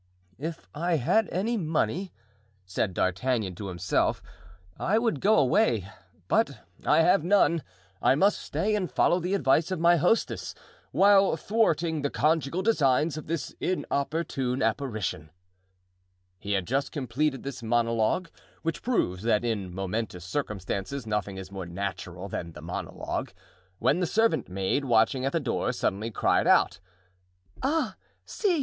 "If I had any money," said D'Artagnan to himself, "I would go away; but I have none. I must stay and follow the advice of my hostess, while thwarting the conjugal designs of this inopportune apparition." He had just completed this monologue—which proves that in momentous circumstances nothing is more natural than the monologue—when the servant maid, watching at the door, suddenly cried out: "Ah! see!